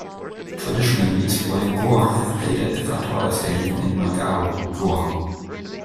Traditionally, Sporting Goa have played at the Fatorda Stadium in Margao, Goa.